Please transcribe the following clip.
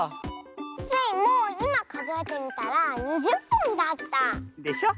スイもいまかぞえてみたら２０ぽんだった。でしょ。